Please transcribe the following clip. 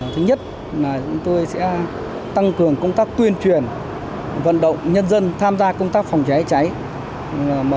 thứ nhất là chúng tôi sẽ tăng cường công tác tuyên truyền vận động nhân dân tham gia công tác phòng cháy cháy